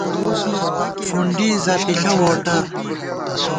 فُنڈی زَپِݪہ ووٹَر